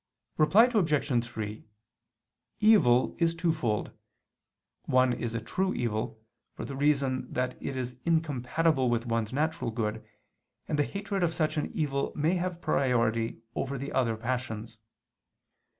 Reply Obj. 3: Evil is twofold. One is a true evil, for the reason that it is incompatible with one's natural good, and the hatred of such an evil may have priority over the other passions.